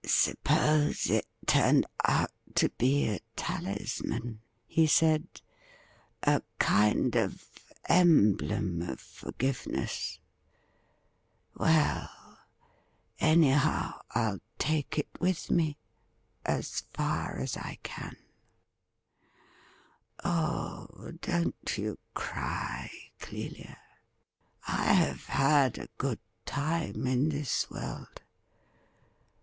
' Suppose it turned out to be a talisman,' he said —' a kind of emblem of forgiveness .' Well, anyhow. Til take it with me — as far as I can. Oh, don't you cry, Clelia ! I haw had a good time in this world.